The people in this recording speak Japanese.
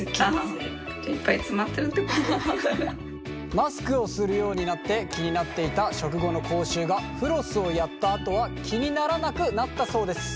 マスクをするようになって気になっていた食後の口臭がフロスをやったあとは気にならなくなったそうです。